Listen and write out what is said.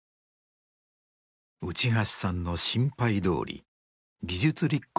内橋さんの心配どおり技術立国